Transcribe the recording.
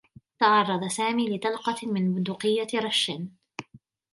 تعرّض سامي لطلقة من بندقيّة رشّ.